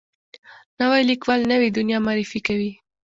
نوی لیکوال نوې دنیا معرفي کوي